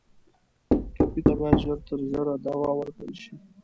ټپي ته باید ژر تر ژره دوا ورکړل شي.